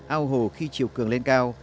ao hồ khi chiều cường lên cao